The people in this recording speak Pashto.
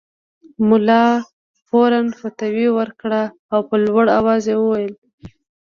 ملا فوراً فتوی ورکړه او په لوړ اواز یې وویل.